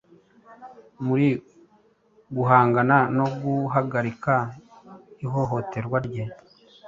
muri guhangana no guhagarika ihohoterwa rye